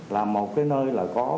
là một cái nơi là có